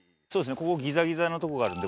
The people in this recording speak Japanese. ここギザギザのとこがあるんで。